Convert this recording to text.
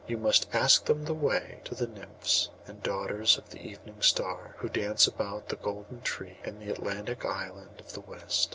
You must ask them the way to the Nymphs, the daughters of the Evening Star, who dance about the golden tree, in the Atlantic island of the west.